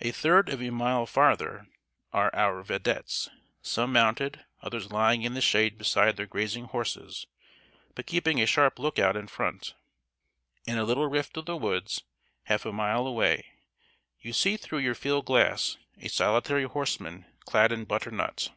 A third of a mile farther are our vedettes, some mounted, others lying in the shade beside their grazing horses, but keeping a sharp look out in front. In a little rift of the woods, half a mile away, you see through your field glass a solitary horseman clad in butternut.